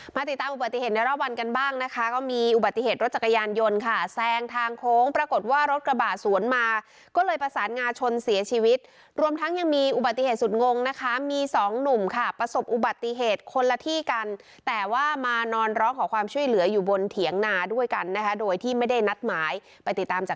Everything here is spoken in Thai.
ติดตามอุบัติเหตุในรอบวันกันบ้างนะคะก็มีอุบัติเหตุรถจักรยานยนต์ค่ะแซงทางโค้งปรากฏว่ารถกระบะสวนมาก็เลยประสานงาชนเสียชีวิตรวมทั้งยังมีอุบัติเหตุสุดงงนะคะมีสองหนุ่มค่ะประสบอุบัติเหตุคนละที่กันแต่ว่ามานอนร้องขอความช่วยเหลืออยู่บนเถียงนาด้วยกันนะคะโดยที่ไม่ได้นัดหมายไปติดตามจาก